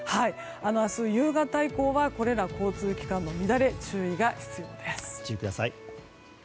明日、夕方以降はこれら交通機関の乱れ注意が必要です。